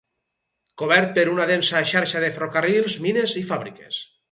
Cobert per una densa xarxa de ferrocarrils, mines, i fàbriques.